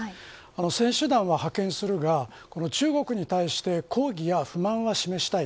選手団は派遣するが中国に対して抗議や不満は示したい。